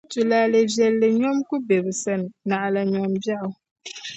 Tulaalɛ viɛlli nyom ku be bɛ sani, naɣila nyom biɛɣu.